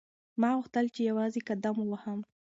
ما غوښتل چې یوازې قدم ووهم.